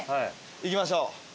いきましょう。